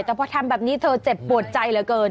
แต่พอทำแบบนี้เธอเจ็บปวดใจเหลือเกิน